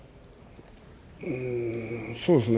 そうですね